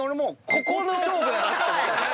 ここの勝負だと思った。